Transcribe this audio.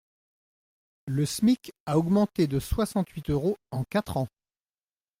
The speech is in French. Le Smic a augmenté de soixante-huit euros en quatre ans.